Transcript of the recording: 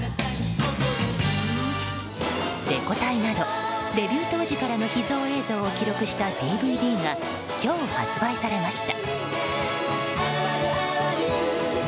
レコ大などデビュー当時からの秘蔵映像を記録したＤＶＤが今日、発売されました。